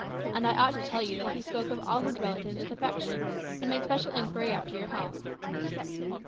And I ought to tell you that he spoke of all his relatives with affection, and made special inquiry after your health."